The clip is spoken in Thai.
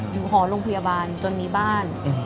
หอโรงพยาบาลจนมีบ้าน